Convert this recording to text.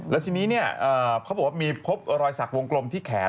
แล้วทีนี้เขาบอกว่ามีพบรอยสักวงกลมที่แขน